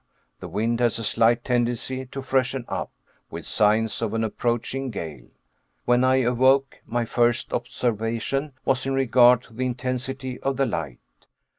The wind has a slight tendency to freshen up, with signs of an approaching gale. When I awoke, my first observation was in regard to the intensity of the light.